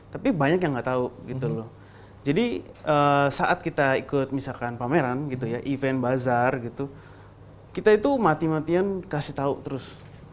tapi banyak yang nggak tahu jadi saat kita ikut pameran event bazar kita itu mati matian kasih tahu terus